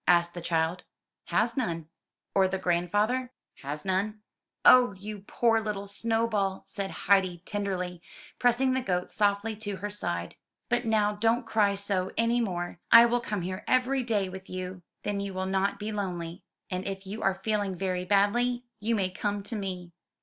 asked the child. "Has none." 286 UP ONE PAIR OF STAIRS "Or the grandfather?" Has none." T3ot44 1».CH(vW«— ''Oh, you poor little Snowball!" said Heidi tenderly, pressing the goat softly to her side. "But now don't cry so any more; I will come here every day with you, then you will not be lonely; and if you are feel ing very badly, you may come to me."